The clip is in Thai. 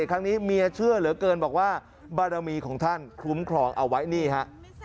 ครั้งนี้เมียเชื่อเหลือเกินบอกว่าบารมีของท่านคลุ้มครองเอาไว้นี่ฮะ